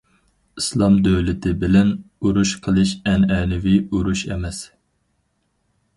« ئىسلام دۆلىتى» بىلەن ئۇرۇش قىلىش ئەنئەنىۋى ئۇرۇش ئەمەس.